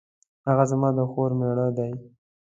هغه زما د خور میړه دی